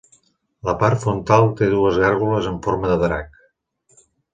La part frontal té dues gàrgoles en forma de drac.